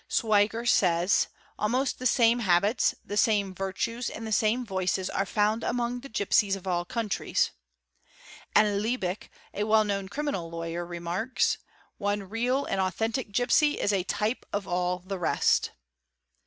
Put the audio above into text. Schwicher®® says—"almost the same habits, the same virtues, and the same vices, are found among — the gipsies of all countries"; and Liebich, a well known criminal lawyer, — remarks :—" one real and authentic gipsy is a type of all the rest."